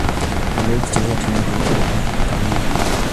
Aliwahi kucheza timu ya taifa ya Panama.